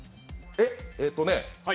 えっとね